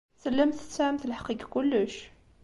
Tellamt tesɛamt lḥeqq deg kullec.